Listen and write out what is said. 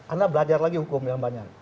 anda belajar lagi hukum yang banyak